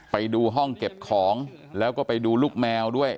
ไปดูห้องเก็บของแล้วก็ไปดูลูกแมวด้วย